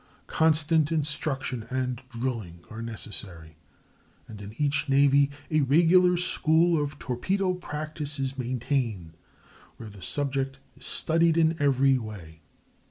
Constant instruction and drilling are necessary, and in each navy a regular school of torpedo practice is maintained, where the subject is studied in every way.